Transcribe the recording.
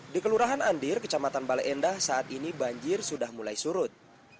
di kelurahan andir kecamatan bale endah saat ini banjir sudah mulai surut